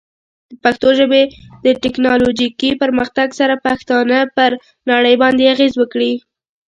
د پښتو ژبې د ټیکنالوجیکي پرمختګ سره، پښتانه پر نړۍ باندې اغېز وکړي.